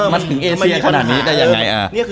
มันถึงเอเซียขนาดนี้ได้ยังไง